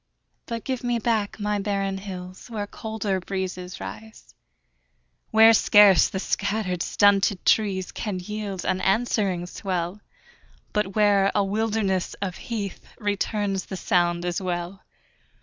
But give me back my barren hills Where colder breezes rise; Where scarce the scattered, stunted trees Can yield an answering swell, But where a wilderness of heath Returns the sound as well.